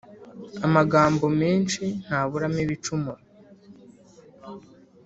Amagambo menshi ntaburamo ibicumuro